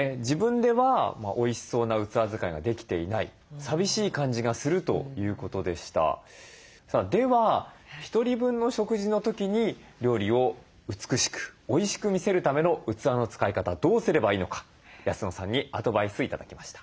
では１人分の食事の時に料理を美しくおいしく見せるための器の使い方どうすればいいのか安野さんにアドバイス頂きました。